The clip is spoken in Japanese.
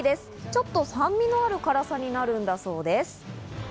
ちょっと酸味のある辛さになるんだそうです。